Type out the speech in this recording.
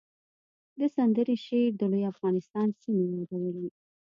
د سندرې شعر د لوی افغانستان سیمې یادولې